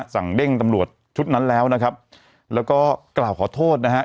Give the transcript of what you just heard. เด้งตำรวจชุดนั้นแล้วนะครับแล้วก็กล่าวขอโทษนะฮะ